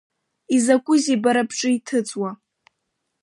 Изакәызеи бара бҿы иҭыҵуа…